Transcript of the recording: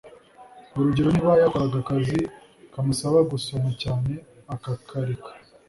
urugero niba yakoraga akazi kamusaba gusoma cyane akakareka